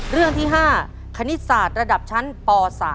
เรื่องที่๕คณิตศาสตร์ระดับชั้นป๓